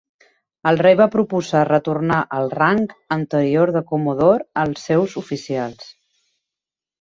El Rei va proposar retornar el rang anterior de "comodor" als seus oficials.